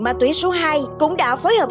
ma túy số hai cũng đã phối hợp